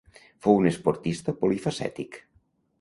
Fou un esportista polifacètic.